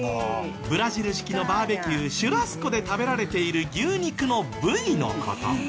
ブラジル式のバーベキューシュラスコで食べられている牛肉の部位の事。